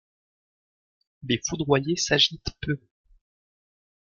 Les foudroyés s’agitent peu.